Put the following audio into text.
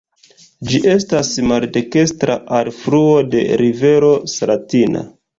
Ĝi estas maldekstra alfluo de rivero Slatina.